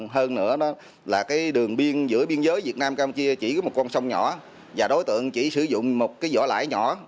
hơn nữa là đường biên giữa biên giới việt nam campuchia chỉ có một con sông nhỏ và đối tượng chỉ sử dụng một vỏ lãi nhỏ